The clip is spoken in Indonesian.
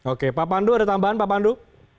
oke pak pandu ada tambahan pak pandu